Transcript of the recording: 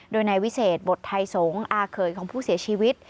โดยนายวิเศษบทไทยสงฆ์อาเขยของผู้เสียชีวิต